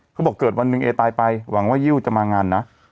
เขาบอกเกิดวันหนึ่งเอตายไปหวังว่ายิ้วจะมางานนะ